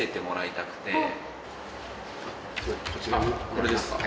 これですか？